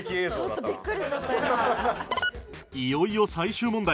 いよいよ最終問題